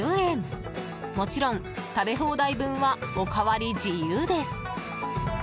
もちろん、食べ放題分はおかわり自由です。